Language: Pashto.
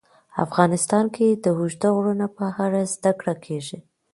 افغانستان کې د اوږده غرونه په اړه زده کړه کېږي.